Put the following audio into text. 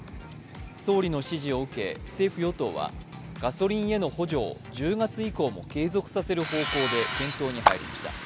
総理の指示を受け政府・与党はガソリンへの補助を１０月以降も継続させる方向で検討に入りました